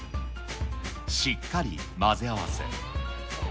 しっかり混ぜ合わせ。